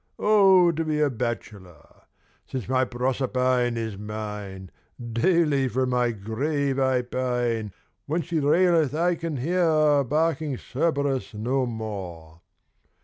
"O to be a bachelor! Since my Proserpine is mine, Daily for my grave I pine, When she raileth I can hear Barking Cerberus no more.